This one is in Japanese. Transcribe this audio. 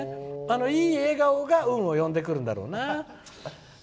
いい笑顔が運を呼んでくるんだろうな。